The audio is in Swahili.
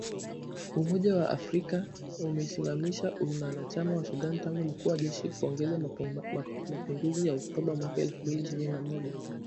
Umoja wa Afrika umeisimamisha uanachama wa Sudan tangu mkuu wa jeshi kuongoza mapinduzi ya Oktoba mwaka elfu mbili ishirini na moja